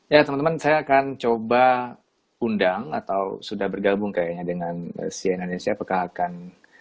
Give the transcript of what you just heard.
ya teman teman saya akan coba undang atau sudah bergabung kayaknya dengan si indonesia apakah akan